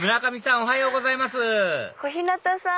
おはようございます小日向さん